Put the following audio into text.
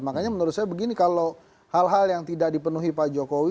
makanya menurut saya begini kalau hal hal yang tidak dipenuhi pak jokowi